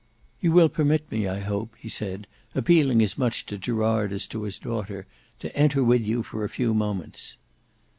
"You will permit me, I hope," he said, appealing as much to Gerard as to his daughter, "to enter with you for a few moments."